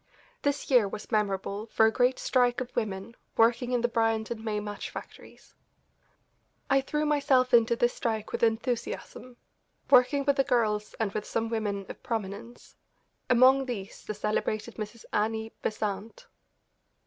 This year was memorable for a great strike of women working in the Bryant and May match factories. I threw myself into this strike with enthusiasm, working with the girls and with some women of prominence, among these the celebrated Mrs. Annie Besant.